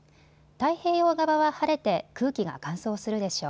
太平洋側は晴れて空気が乾燥するでしょう。